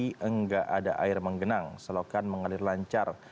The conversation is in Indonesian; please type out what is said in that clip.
tidak ada air menggenang selokan mengalir lancar